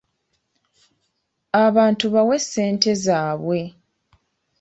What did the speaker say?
Abantu bawe ssente zaabwe.